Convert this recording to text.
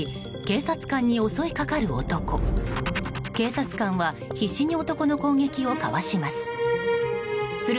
警察官は必死に男の攻撃をかわします。